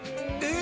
え！